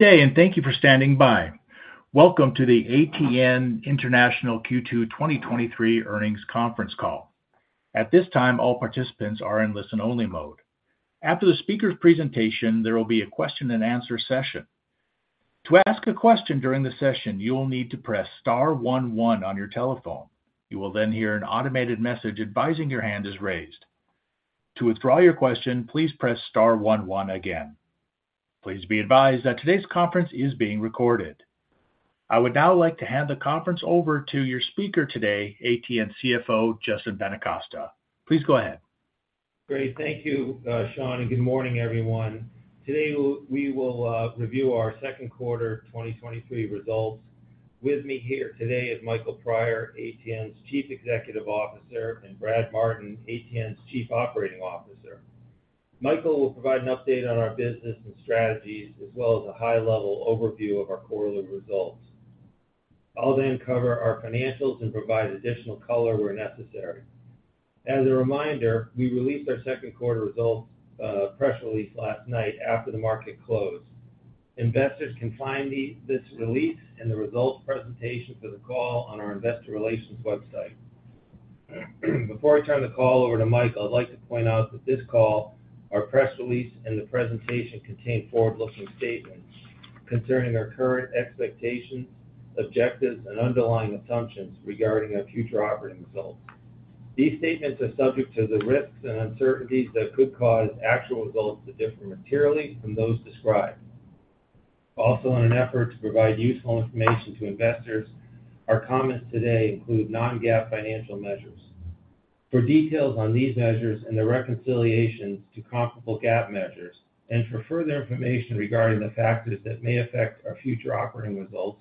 Good day. Thank you for standing by. Welcome to the ATN International Q2 2023 Earnings Conference Call. At this time, all participants are in listen-only mode. After the speaker's presentation, there will be a question-and-answer session. To ask a question during the session, you will need to press star one one on your telephone. You will hear an automated message advising your hand is raised. To withdraw your question, please press star one one again. Please be advised that today's conference is being recorded. I would now like to hand the conference over to your speaker today, ATN CFO, Justin Benincasa. Please go ahead. Great. Thank you, Sean, and good morning, everyone. Today, we will review our second quarter 2023 results. With me here today is Michael Prior, ATN's Chief Executive Officer, and Brad Martin, ATN's Chief Operating Officer. Michael will provide an update on our business and strategies, as well as a high-level overview of our quarterly results. I'll then cover our financials and provide additional color where necessary. As a reminder, we released our second quarter results press release last night after the market closed. Investors can find this release and the results presentation for the call on our investor relations website. Before I turn the call over to Michael, I'd like to point out that this call, our press release, and the presentation contain forward-looking statements concerning our current expectations, objectives, and underlying assumptions regarding our future operating results. These statements are subject to the risks and uncertainties that could cause actual results to differ materially from those described. In an effort to provide useful information to investors, our comments today include non-GAAP financial measures. For details on these measures and the reconciliations to comparable GAAP measures, and for further information regarding the factors that may affect our future operating results,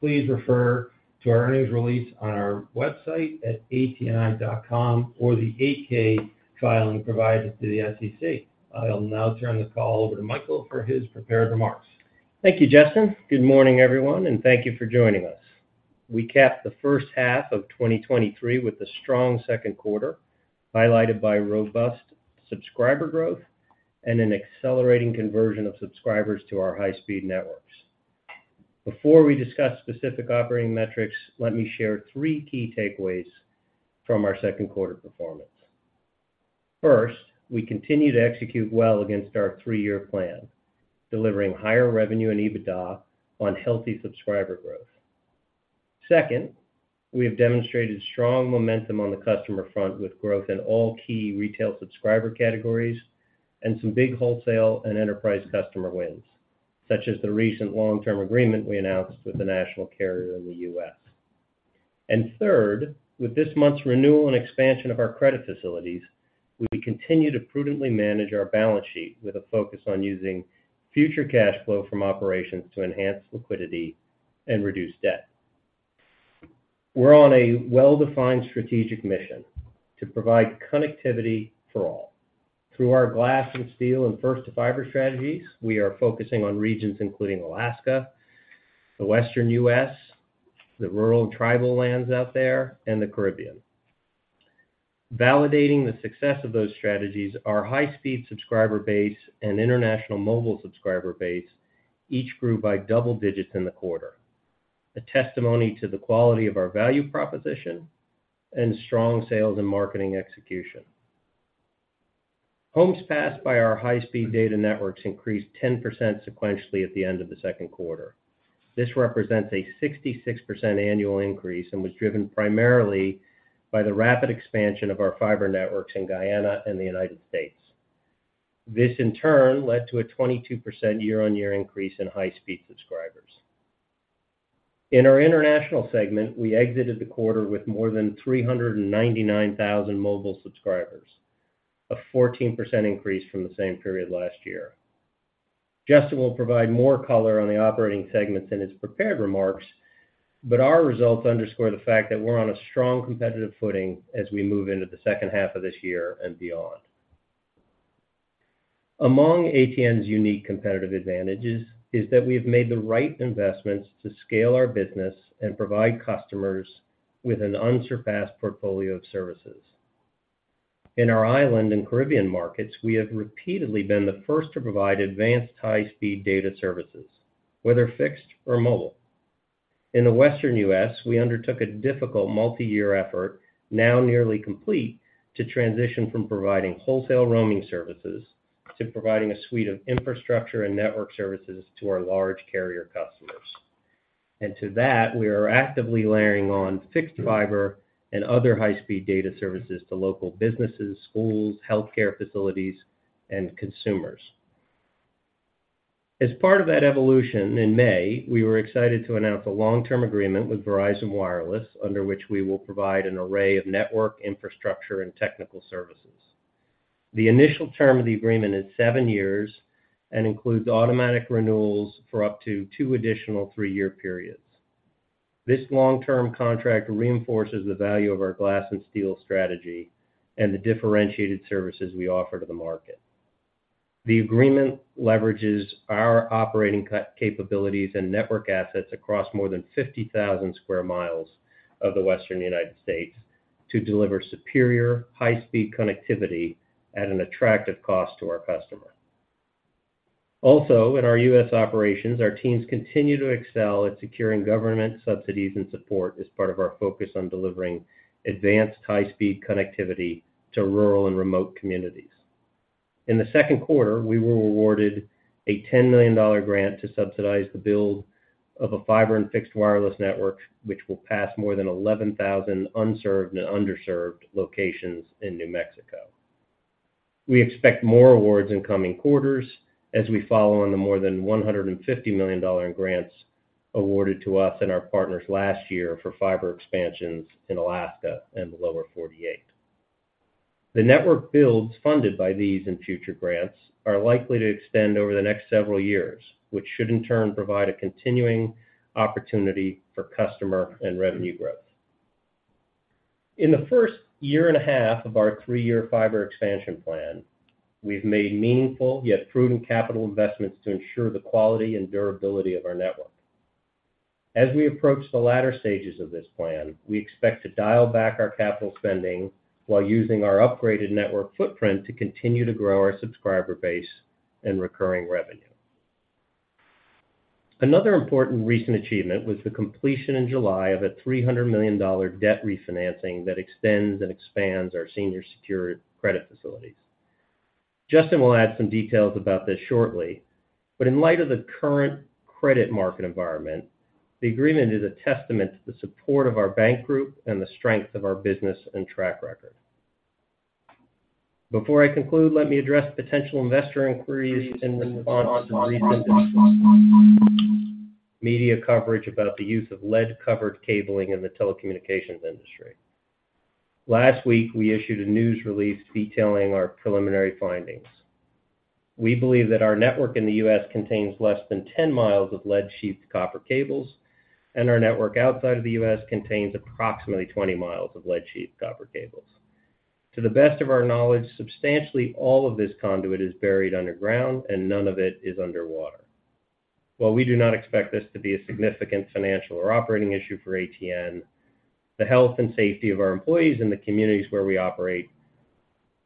please refer to our earnings release on our website at atni.com or the 8-K filing provided to the SEC. I'll now turn the call over to Michael for his prepared remarks. Thank you, Justin. Good morning, everyone, and thank you for joining us. We capped the first half of 2023 with a strong second quarter, highlighted by robust subscriber growth and an accelerating conversion of subscribers to our high-speed networks. Before we discuss specific operating metrics, let me share three key takeaways from our second quarter performance. First, we continue to execute well against our three-year plan, delivering higher revenue and EBITDA on healthy subscriber growth. Second, we have demonstrated strong momentum on the customer front, with growth in all key retail subscriber categories and some big wholesale and enterprise customer wins, such as the recent long-term agreement we announced with a national carrier in the U.S. Third, with this month's renewal and expansion of our credit facilities, we continue to prudently manage our balance sheet with a focus on using future cash flow from operations to enhance liquidity and reduce debt. We're on a well-defined strategic mission to provide connectivity for all. Through our Glass and Steel and First-to-Fiber strategies, we are focusing on regions including Alaska, the Western U.S., the rural and tribal lands out there, and the Caribbean. Validating the success of those strategies, our high-speed subscriber base and international mobile subscriber base each grew by double digits in the quarter, a testimony to the quality of our value proposition and strong sales and marketing execution. Homes passed by our high-speed data networks increased 10% sequentially at the end of the second quarter. This represents a 66% annual increase and was driven primarily by the rapid expansion of our fiber networks in Guyana and the United States. This, in turn, led to a 22% year-on-year increase in high-speed subscribers. In our International segment, we exited the quarter with more than 399,000 mobile subscribers, a 14% increase from the same period last year. Justin will provide more color on the operating segments in his prepared remarks, but our results underscore the fact that we're on a strong competitive footing as we move into the second half of this year and beyond. Among ATN's unique competitive advantages is that we've made the right investments to scale our business and provide customers with an unsurpassed portfolio of services. In our Island and Caribbean markets, we have repeatedly been the first to provide advanced high-speed data services, whether fixed or mobile. In the Western U.S., we undertook a difficult multi-year effort, now nearly complete, to transition from providing wholesale roaming services to providing a suite of infrastructure and network services to our large carrier customers. To that, we are actively layering on fixed fiber and other high-speed data services to local businesses, schools, healthcare facilities, and consumers. As part of that evolution, in May, we were excited to announce a long-term agreement with Verizon Wireless, under which we will provide an array of network, infrastructure, and technical services. The initial term of the agreement is seven years and includes automatic renewals for up to two additional three-year periods. This long-term contract reinforces the value of our Glass and Steel strategy and the differentiated services we offer to the market. The agreement leverages our operating capabilities and network assets across more than 50,000 sq mi of the Western United States to deliver superior, high-speed connectivity at an attractive cost to our customer. In our U.S. operations, our teams continue to excel at securing government subsidies and support as part of our focus on delivering advanced high-speed connectivity to rural and remote communities. In the second quarter, we were awarded a $10 million grant to subsidize the build of a fiber and fixed wireless network, which will pass more than 11,000 unserved and underserved locations in New Mexico. We expect more awards in coming quarters as we follow on the more than $150 million in grants awarded to us and our partners last year for fiber expansions in Alaska and the Lower 48. The network builds funded by these and future grants are likely to extend over the next several years, which should in turn provide a continuing opportunity for customer and revenue growth. In the first year and a half of our three-year fiber expansion plan, we've made meaningful, yet prudent capital investments to ensure the quality and durability of our network. As we approach the latter stages of this plan, we expect to dial back our capital spending while using our upgraded network footprint to continue to grow our subscriber base and recurring revenue. Another important recent achievement was the completion in July of a $300 million debt refinancing that extends and expands our senior secured credit facilities. Justin will add some details about this shortly. In light of the current credit market environment, the agreement is a testament to the support of our bank group and the strength of our business and track record. Before I conclude, let me address potential investor inquiries in response to recent media coverage about the use of lead-covered cabling in the telecommunications industry. Last week, we issued a news release detailing our preliminary findings. We believe that our network in the U.S. contains less than 10 miles of lead-sheathed copper cables, and our network outside of the U.S. contains approximately 20 miles of lead-sheathed copper cables. To the best of our knowledge, substantially all of this conduit is buried underground, and none of it is underwater. While we do not expect this to be a significant financial or operating issue for ATN, the health and safety of our employees in the communities where we operate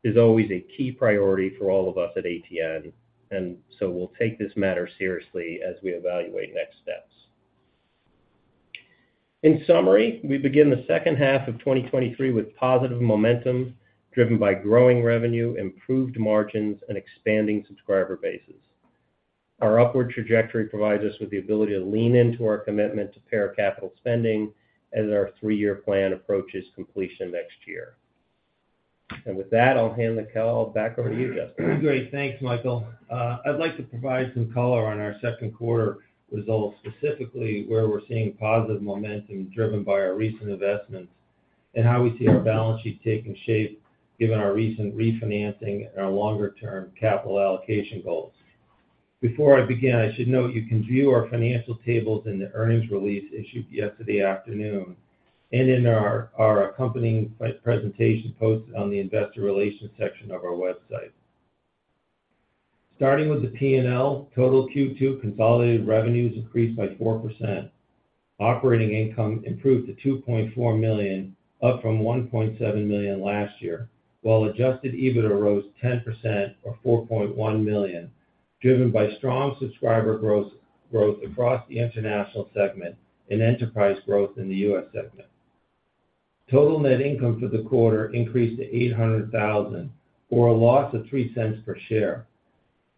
is always a key priority for all of us at ATN, and so we'll take this matter seriously as we evaluate next steps. In summary, we begin the second half of 2023 with positive momentum, driven by growing revenue, improved margins, and expanding subscriber bases. Our upward trajectory provides us with the ability to lean into our commitment to pair capital spending as our three-year plan approaches completion next year. With that, I'll hand the call back over to you, Justin. Great. Thanks, Michael. I'd like to provide some color on our second quarter results, specifically where we're seeing positive momentum driven by our recent investments, and how we see our balance sheet taking shape given our recent refinancing and our longer-term capital allocation goals. Before I begin, I should note you can view our financial tables in the earnings release issued yesterday afternoon, and in our accompanying presentation post on the investor relations section of our website. Starting with the P&L, total Q2 consolidated revenues increased by 4%. Operating income improved to $2.4 million, up from $1.7 million last year, while adjusted EBITDA rose 10%, or $4.1 million, driven by strong subscriber growth, growth across the International segment and Enterprise growth in the U.S. segment. Total net income for the quarter increased to $800,000, or a loss of $0.03 per share.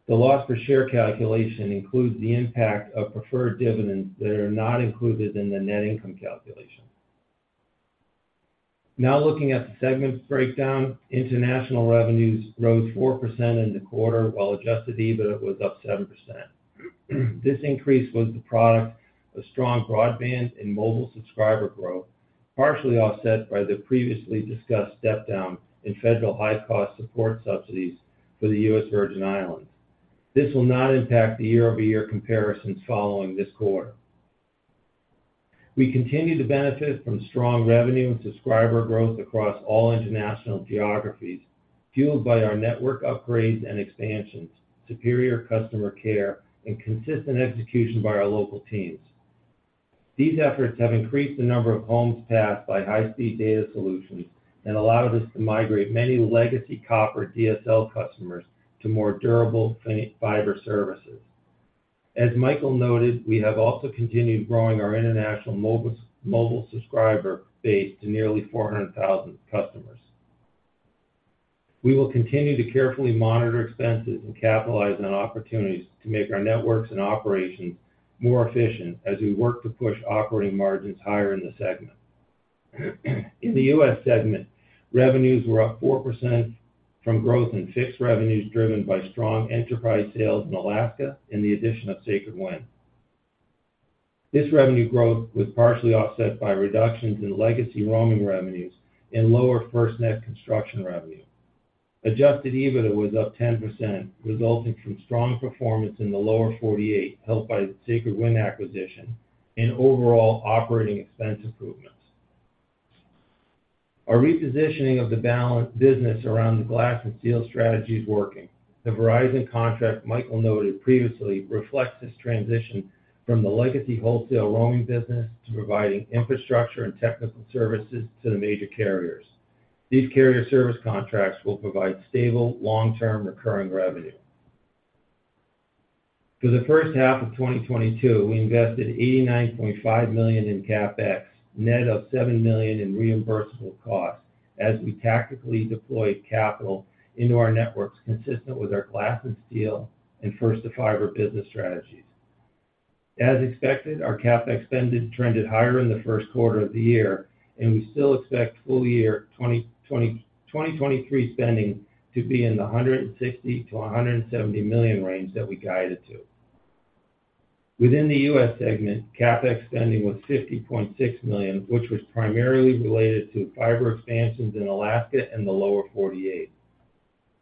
The loss per share calculation includes the impact of preferred dividends that are not included in the net income calculation. Looking at the segment breakdown, International revenues rose 4% in the quarter, while adjusted EBITDA was up 7%. This increase was the product of strong broadband and mobile subscriber growth, partially offset by the previously discussed step-down in federal high-cost support subsidies for the U.S. Virgin Islands. This will not impact the year-over-year comparisons following this quarter. We continue to benefit from strong revenue and subscriber growth across all international geographies, fueled by our network upgrades and expansions, superior customer care, and consistent execution by our local teams. These efforts have increased the number of homes passed by high-speed data solutions and allowed us to migrate many legacy copper DSL customers to more durable fiber services. As Michael noted, we have also continued growing our International mobile, mobile subscriber base to nearly 400,000 customers. We will continue to carefully monitor expenses and capitalize on opportunities to make our networks and operations more efficient as we work to push operating margins higher in the segment. In the U.S. segment, revenues were up 4% from growth in fixed revenues, driven by strong enterprise sales in Alaska and the addition of Sacred Wind. This revenue growth was partially offset by reductions in legacy roaming revenues and lower FirstNet construction revenue. Adjusted EBITDA was up 10%, resulting from strong performance in the Lower 48, helped by the Sacred Wind acquisition and overall operating expense improvements. Our repositioning of the balance business around the Glass and Steel strategy is working. The Verizon contract Michael noted previously reflects this transition from the legacy wholesale roaming business to providing infrastructure and technical services to the major carriers. These carrier service contracts will provide stable, long-term, recurring revenue. For the first half of 2022, we invested $89.5 million in CapEx, net of $7 million in reimbursable costs, as we tactically deployed capital into our networks, consistent with our Glass and Steel and First-to-Fiber business strategies. As expected, our CapEx spending trended higher in the first quarter of the year, and we still expect full year 2023 spending to be in the $160 million-$170 million range that we guided to. Within the U.S. segment, CapEx spending was $50.6 million, which was primarily related to fiber expansions in Alaska and the Lower 48.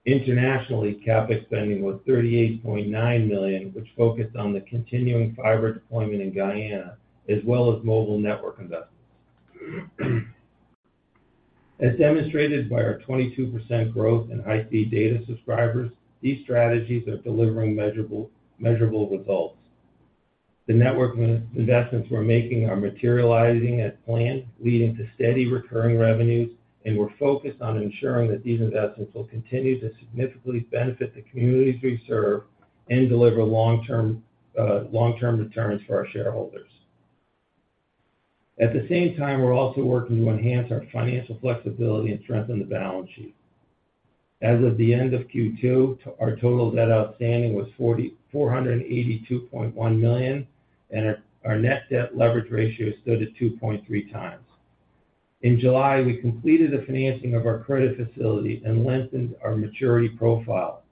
Internationally, CapEx spending was $38.9 million, which focused on the continuing fiber deployment in Guyana, as well as mobile network investments. As demonstrated by our 22% growth in IP data subscribers, these strategies are delivering measurable results. The network investments we're making are materializing as planned, leading to steady recurring revenues, and we're focused on ensuring that these investments will continue to significantly benefit the communities we serve and deliver long-term returns for our shareholders. At the same time, we're also working to enhance our financial flexibility and strengthen the balance sheet. As of the end of Q2, our total debt outstanding was $482.1 million, and our net debt leverage ratio stood at 2.3x. In July, we completed the financing of our credit facility and lengthened our maturity profile.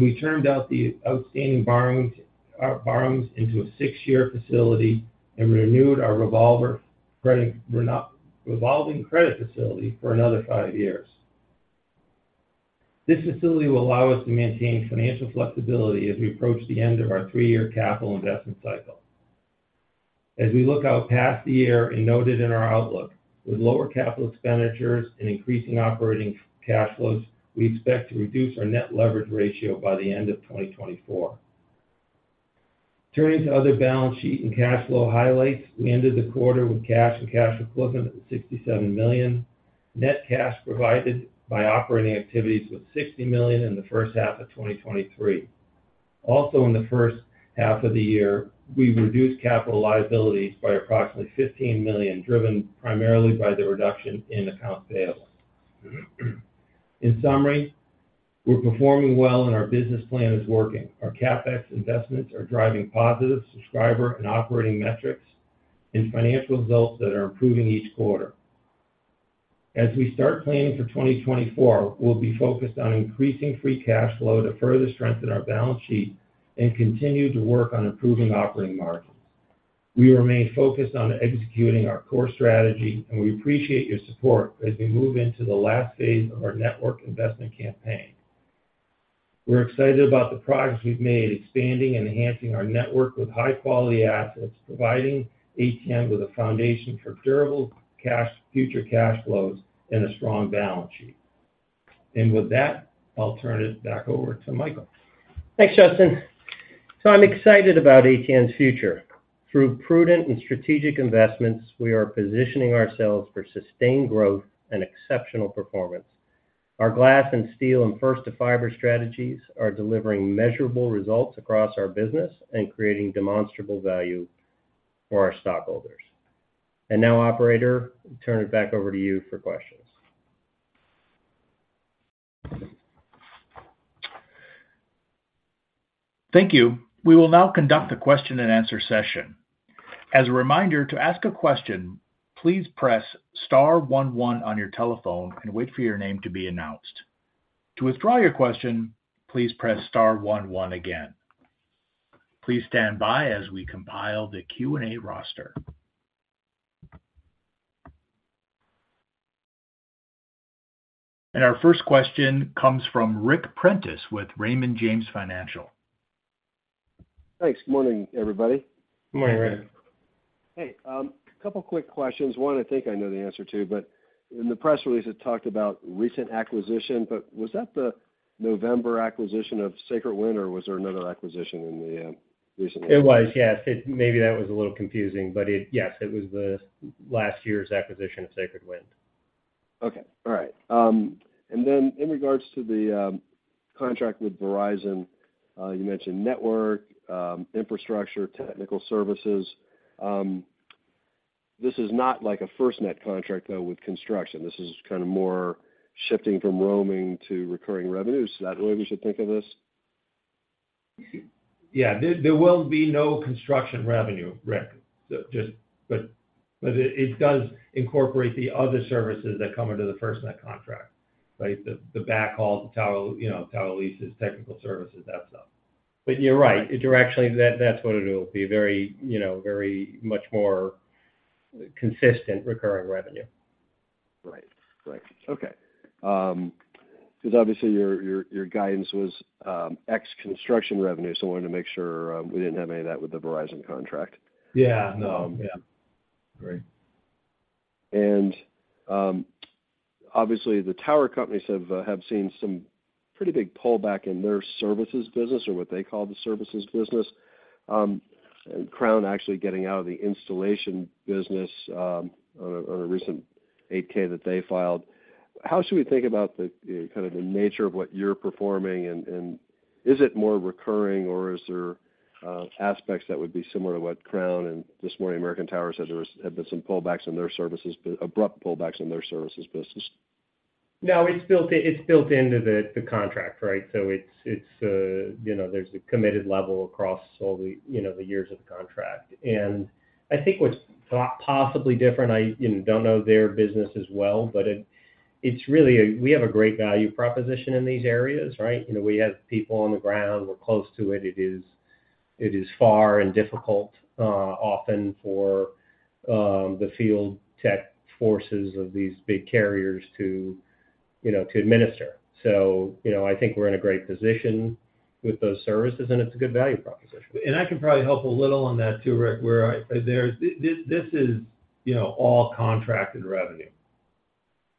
We termed out the outstanding borrowings, borrowings into a six-year facility and renewed our revolving credit facility for another five years. This facility will allow us to maintain financial flexibility as we approach the end of our three-year capital investment cycle. As we look out past the year and noted in our outlook, with lower capital expenditures and increasing operating cash flows, we expect to reduce our net leverage ratio by the end of 2024. Turning to other balance sheet and cash flow highlights, we ended the quarter with cash and cash equivalent at $67 million. Net cash provided by operating activities was $60 million in the first half of 2023. Also, in the first half of the year, we reduced capital liabilities by approximately $15 million, driven primarily by the reduction in accounts payable. In summary, we're performing well, and our business plan is working. Our CapEx investments are driving positive subscriber and operating metrics and financial results that are improving each quarter. As we start planning for 2024, we'll be focused on increasing free cash flow to further strengthen our balance sheet and continue to work on improving operating margins. We remain focused on executing our core strategy, and we appreciate your support as we move into the last phase of our network investment campaign. We're excited about the progress we've made, expanding and enhancing our network with high-quality assets, providing ATN with a foundation for durable future cash flows and a strong balance sheet. With that, I'll turn it back over to Michael. Thanks, Justin. I'm excited about ATN's future. Through prudent and strategic investments, we are positioning ourselves for sustained growth and exceptional performance. Our Glass and Steel and First-to-Fiber strategies are delivering measurable results across our business and creating demonstrable value for our stockholders. Now, operator, turn it back over to you for questions. Thank you. We will now conduct a question-and-answer session. As a reminder, to ask a question, please press star one one on your telephone and wait for your name to be announced. To withdraw your question, please press star one one again. Please stand by as we compile the Q&A roster. Our first question comes from Ric Prentiss with Raymond James Financial. Thanks. Good morning, everybody. Good morning, Ric. Hey, a couple quick questions. One, I think I know the answer to, but in the press release, it talked about recent acquisition, but was that the November acquisition of Sacred Wind, or was there another acquisition in the recent? It was, yes. Maybe that was a little confusing, but yes, it was the last year's acquisition of Sacred Wind. Okay. All right. In regards to the contract with Verizon, you mentioned network infrastructure, technical services. This is not like a FirstNet contract, though, with construction. This is kind of more shifting from roaming to recurring revenues. Is that the way we should think of this? Yeah. There will be no construction revenue, Ric. Just, but it does incorporate the other services that come into the FirstNet contract, right? The backhaul, the tower, you know, tower leases, technical services, that stuff. You're right. You're actually, that's what it'll be, very, you know, very much more consistent recurring revenue. Right. Right. Okay. Because obviously, your guidance was, ex construction revenue, so I wanted to make sure, we didn't have any of that with the Verizon contract. Yeah. No. Yeah. Great. Obviously, the tower companies have seen some pretty big pullback in their Services business or what they call the Services business. Crown actually getting out of the Installation business on a recent 8-K that they filed. How should we think about the kind of the nature of what you're performing? Is it more recurring, or is there aspects that would be similar to what Crown and this morning, American Tower said there had been some pullbacks in their services abrupt pullbacks in their Services business? It's built into the contract, right? It's, you know, there's a committed level across all the, you know, the years of the contract. I think what's possibly different, I, you know, don't know their business as well, but it's really we have a great value proposition in these areas, right? You know, we have people on the ground. We're close to it. It is far and difficult, often for the field tech forces of these big carriers to, you know, to administer. You know, I think we're in a great position with those services, and it's a good value proposition. I can probably help a little on that, too, Ric, where this is, you know, all contracted revenue,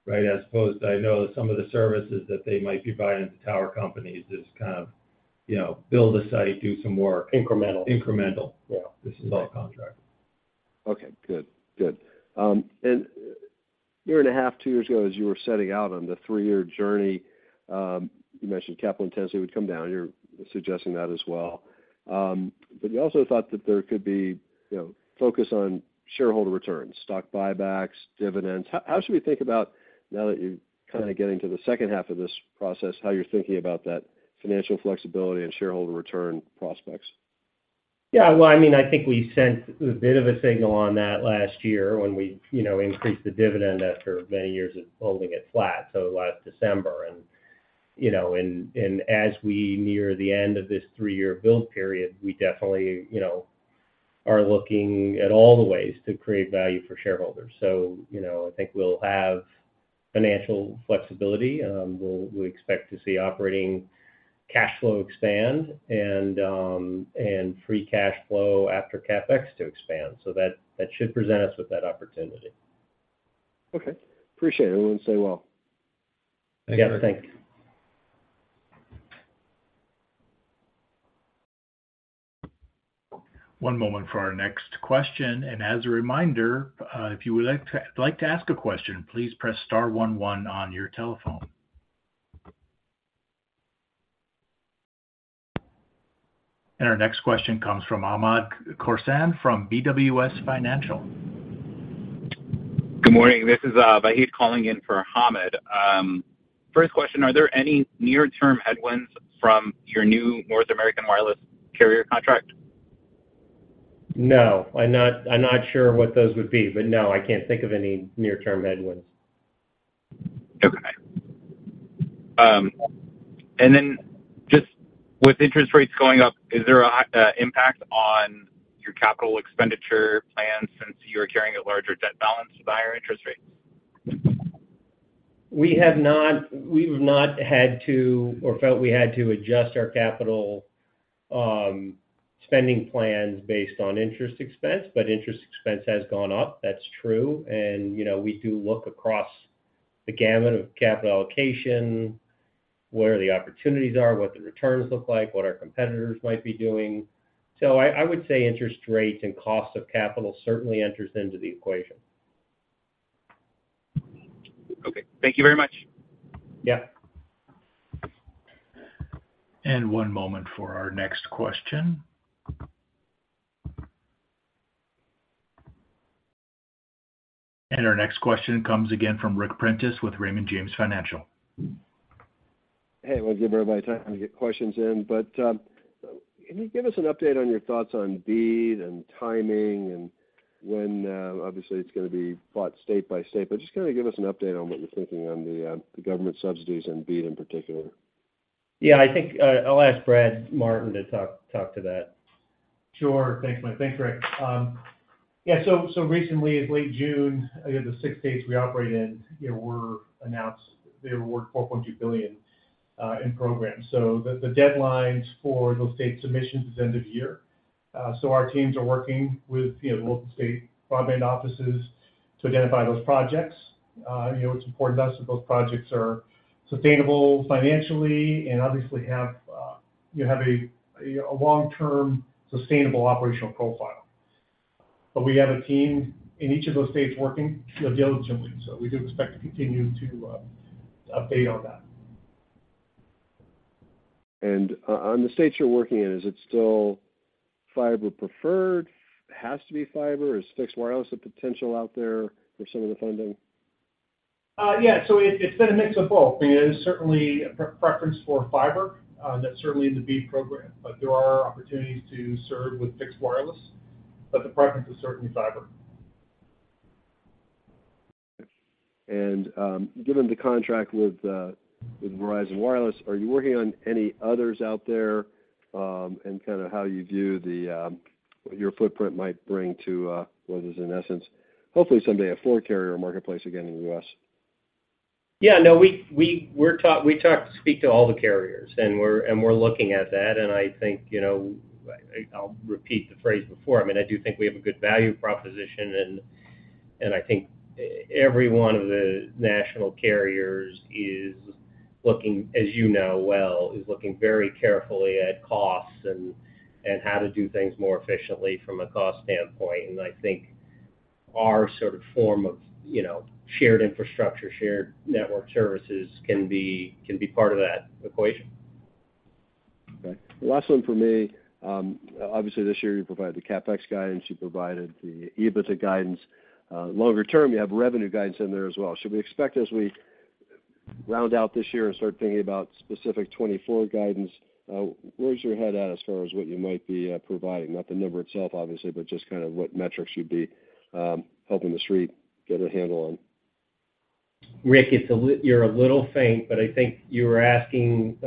right? As opposed, I know some of the services that they might be buying into tower companies is kind of, you know, build a site, do some work. Incremental. Incremental. Yeah. This is all contract. Okay, good. Good. A year and a half, two years ago, as you were setting out on the three-year journey, you mentioned capital intensity would come down. You're suggesting that as well. You also thought that there could be, you know, focus on shareholder returns, stock buybacks, dividends. How should we think about, now that you're kind of getting to the second half of this process, how you're thinking about that financial flexibility and shareholder return prospects? Yeah, well, I mean, I think we sent a bit of a signal on that last year when we, you know, increased the dividend after many years of holding it flat, last December. You know, and, as we near the end of this three year build period, we definitely, you know, are looking at all the ways to create value for shareholders. You know, I think we'll have financial flexibility. We expect to see operating cash flow expand and free cash flow after CapEx to expand. That should present us with that opportunity. Okay, appreciate it. Everyone stay well. Thank you. Yeah, thanks. One moment for our next question. As a reminder, if you would like to ask a question, please press star one one on your telephone. Our next question comes from Hamed Khorsand from BWS Financial. Good morning, this is Vahid calling in for Hamed. First question, are there any near-term headwinds from your new North American wireless carrier contract? No, I'm not sure what those would be, but no, I can't think of any near-term headwinds. Okay. Just with interest rates going up, is there a higher impact on your capital expenditure plans since you are carrying a larger debt balance with higher interest rates? We've not had to or felt we had to adjust our capital spending plans based on interest expense, but interest expense has gone up. That's true. You know, we do look across the gamut of capital allocation, where the opportunities are, what the returns look like, what our competitors might be doing. I would say interest rates and cost of capital certainly enters into the equation. Okay, thank you very much. Yeah. One moment for our next question. Our next question comes again from Ric Prentiss with Raymond James Financial. Hey, want to give everybody time to get questions in. Can you give us an update on your thoughts on BEAD and timing and when, obviously, it's gonna be fought state by state? Just kind of give us an update on what you're thinking on the government subsidies and BEAD in particular? Yeah, I think, I'll ask Brad Martin to talk to that. Sure. Thanks, Mike. Thanks, Ric. Yeah, so recently, in late June, I think the six states we operate in, you know, were announced. They were worth $4.2 billion in programs. The deadlines for those state submissions is end of year. Our teams are working with, you know, the local state broadband offices to identify those projects. You know, it's important to us that those projects are sustainable financially and obviously have, you have a long-term, sustainable operational profile. We have a team in each of those states working, you know, diligently, we do expect to continue to update on that. On the states you're working in, is it still fiber preferred? Has to be fiber? Is fixed wireless a potential out there for some of the funding? It, it's been a mix of both. I mean, there's certainly a preference for fiber, that's certainly in the BEAD program, but there are opportunities to serve with fixed wireless, but the preference is certainly fiber. Given the contract with Verizon Wireless, are you working on any others out there, and kind of how you view the what your footprint might bring to what is, in essence, hopefully someday, a four-carrier marketplace again in the U.S.? Yeah, no, we talk, speak to all the carriers, and we're looking at that. I think, you know, I'll repeat the phrase before. I mean, I do think we have a good value proposition, and I think every one of the national carriers is looking, as you know well, is looking very carefully at costs and how to do things more efficiently from a cost standpoint. I think our sort of form of, you know, shared infrastructure, shared network services can be part of that equation. Okay, last one for me. Obviously, this year, you provided the CapEx guidance, you provided the EBITDA guidance. Longer term, you have revenue guidance in there as well. Should we expect as we round out this year and start thinking about specific 2024 guidance, where's your head at as far as what you might be providing? Not the number itself, obviously, but just kind of what metrics you'd be helping the street get a handle on. Ric, it's a lit-- you're a little faint, but I think you were asking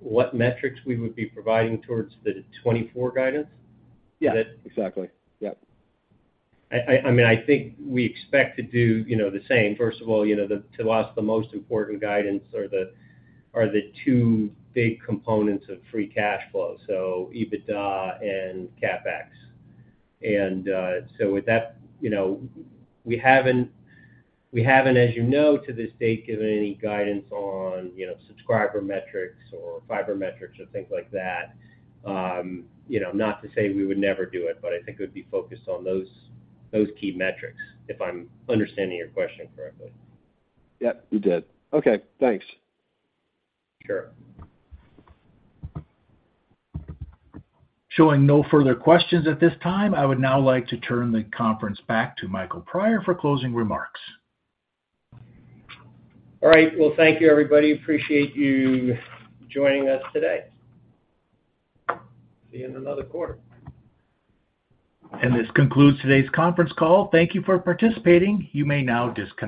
what metrics we would be providing towards the 2024 guidance? Yeah, exactly. Yep. I mean, I think we expect to do, you know, the same. First of all, you know, to us, the most important guidance are the two big components of free cash flow, so EBITDA and CapEx. With that, you know, we haven't, as you know, to this date, given any guidance on, you know, subscriber metrics or fiber metrics or things like that. You know, not to say we would never do it, but I think it would be focused on those key metrics, if I'm understanding your question correctly. Yep, you did. Okay, thanks. Sure. Showing no further questions at this time, I would now like to turn the conference back to Michael Prior for closing remarks. All right. Well, thank you, everybody. Appreciate you joining us today. See you in another quarter. This concludes today's conference call. Thank you for participating. You may now disconnect.